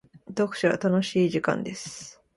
読書は楽しい時間です。